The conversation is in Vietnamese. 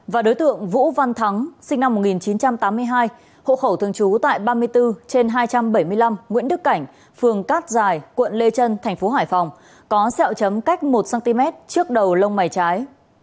và đối tượng vũ văn thắng sinh năm một nghìn chín trăm tám mươi hai hộ khẩu thường trú tại ba mươi bốn trên hai trăm bảy mươi năm nguyễn đức cảnh phường cát giải quận lê trân tp hải phòng có xeo chấm cách một cm trước đầu lông mày trái